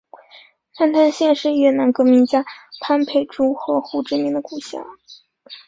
南坛县是越南革命家潘佩珠和胡志明的故乡。